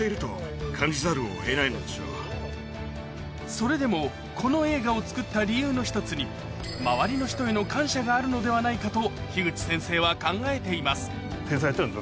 それでもこの映画を作った理由の１つに周りの人への感謝があるのではないかと口先生は考えています